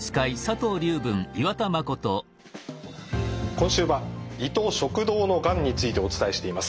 今週は胃と食道のがんについてお伝えしています。